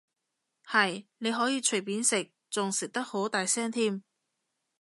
係，你可以隨便食，仲食得好大聲添